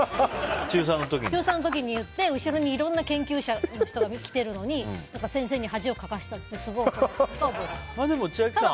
中３の時に言って後ろにいろんな研究者の人が来てるのに先生に恥をかかせたって言ってすごい怒られた。